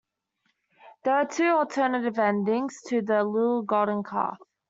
There are two alternative endings to "The Little Golden Calf".